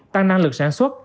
tăng năng lực sản xuất